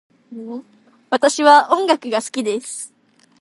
私は音楽が好きです。